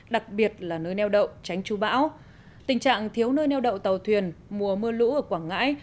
đặc biệt là nơi neo đậu tránh chú bão tình trạng thiếu nơi neo đậu tàu thuyền mùa mưa lũ ở quảng ngãi